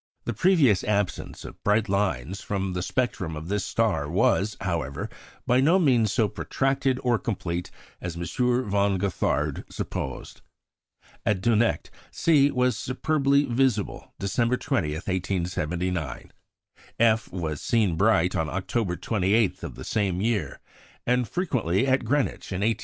The previous absence of bright lines from the spectrum of this star was, however, by no means so protracted or complete as M. von Gothard supposed. At Dunecht, C was "superbly visible" December 20, 1879; F was seen bright on October 28 of the same year, and frequently at Greenwich in 1880 81.